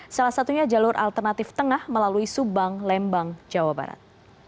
salah satunya jalur alternatif tengah melalui subang lembang jawa barat